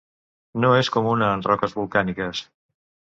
No és comuna en roques volcàniques.